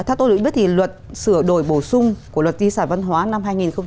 theo tôi cũng biết thì luật sửa đổi bổ sung của luật di sản văn hóa năm hai nghìn bảy